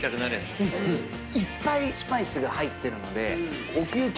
いっぱいスパイスが入ってるので。